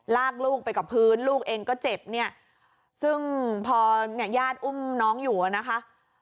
ลากลูกไปกับพื้นลูกเองก็เจ็บเนี่ยซึ่งพอเนี่ยญาติอุ้มน้องอยู่อะนะคะ